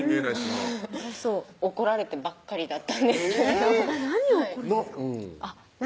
今優しそう怒られてばっかりだったんですけれど何を怒るんですか？